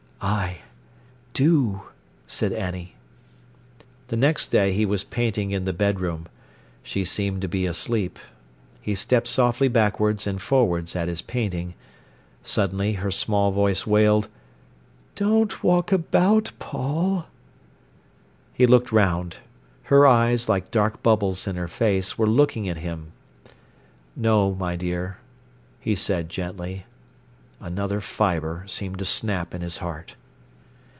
"Ay—do!" said Annie. The next day he was painting in the bedroom. She seemed to be asleep. He stepped softly backwards and forwards at his painting. Suddenly her small voice wailed: "Don't walk about, Paul." He looked round. Her eyes, like dark bubbles in her face, were looking at him. "No, my dear," he said gently. Another fibre seemed to snap in his heart.